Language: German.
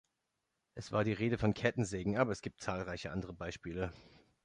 Es war die Rede von Kettensägen, aber es gibt zahlreiche andere Beispiele.